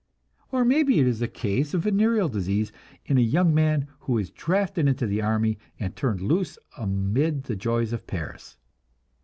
Or maybe it is a case of venereal disease, in a young man who was drafted into the army and turned loose amid the joys of Paris.